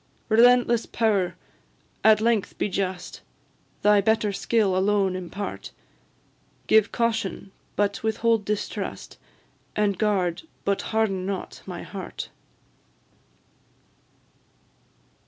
Relentless power! at length be just, Thy better skill alone impart; Give Caution, but withhold Distrust, And guard, but harden not, my heart!